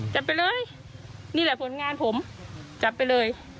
จับไปเลยนี่แหละผลงานผมจับไปเลย